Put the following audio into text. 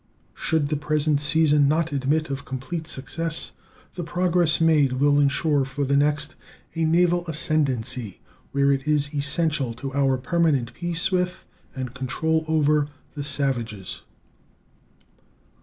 Should the present season not admit of complete success, the progress made will insure for the next a naval ascendancy where it is essential to our permanent peace with and control over the savages.